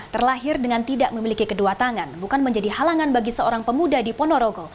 terlahir dengan tidak memiliki kedua tangan bukan menjadi halangan bagi seorang pemuda di ponorogo